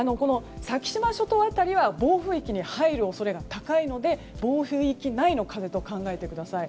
先島諸島辺りは暴風域に入る可能性が高いので、暴風域内の風と考えてください。